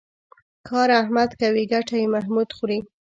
کار احمد کوي ګټه یې محمود خوري.